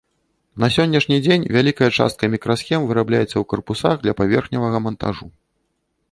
На сённяшні дзень вялікая частка мікрасхем вырабляецца ў карпусах для паверхневага мантажу.